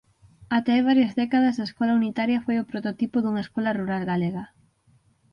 Até hai varias décadas a escola unitaria foi o prototipo dunha escola rural galega.